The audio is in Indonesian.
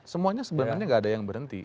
semuanya sebenarnya gak ada yang berhenti